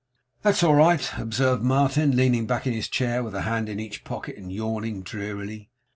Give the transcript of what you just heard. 'That's all right,' observed Martin, leaning back in his chair with a hand in each pocket, and yawning drearily.